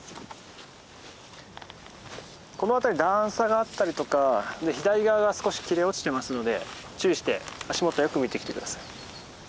この辺り段差があったりとか左側が少し切れ落ちてますので注意して足元をよく見て来て下さい。